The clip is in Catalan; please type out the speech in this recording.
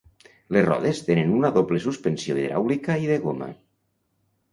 Les rodes tenen una doble suspensió hidràulica i de goma.